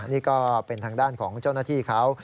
นี่ก็เป็นทางด้านของเจ้าหน้าที่เขา